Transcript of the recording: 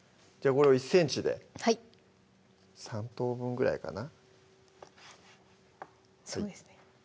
これを１ｃｍではい３等分ぐらいかな